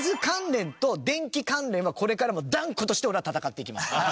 関連と電気関連はこれからも断固として俺は闘っていきます。